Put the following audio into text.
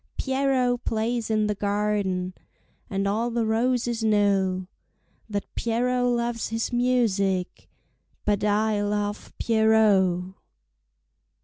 Pierrot plays in the garden, And all the roses know That Pierrot loves his music, But I love Pierrot.